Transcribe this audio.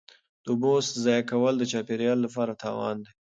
د اوبو ضایع کول د چاپیریال لپاره تاوان دی.